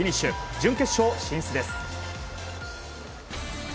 準決勝進出です。